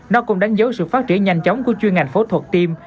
nó cũng đánh dấu sự phát triển nhanh chóng của chuyên ngành phẫu thuật tim